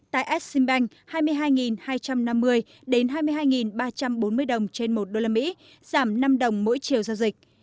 tại asimbank hai mươi hai hai trăm năm mươi đến hai mươi hai ba trăm bốn mươi đồng trên một đô la mỹ tăng năm đồng mỗi chiều giao dịch